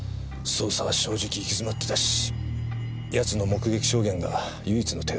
捜査は正直行き詰まってたし奴の目撃証言が唯一の手がかりだった。